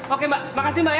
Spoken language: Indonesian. oke mbak makasih mbak ya